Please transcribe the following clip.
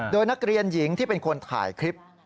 โดยนักเรียนหญิงที่เป็นคนถ่ายคลิป